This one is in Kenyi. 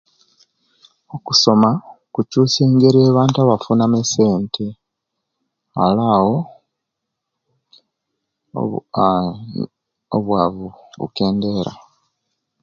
Okusoma kukyusya engeri abantu ebafuna mu esente ale awo obu aaa obwavu bukendera